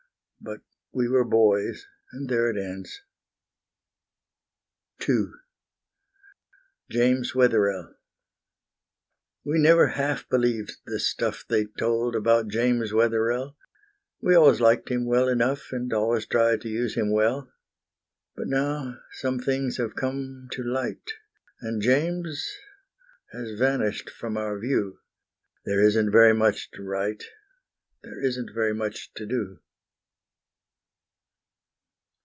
... But we were boys, and there it ends. II James Wetherell We never half believed the stuff They told about James Wetherell; We always liked him well enough, And always tried to use him well; But now some things have come to light, And James has vanished from our view, There is n't very much to write, There is n't very much to do.